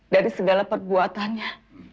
dari segala perbuatannya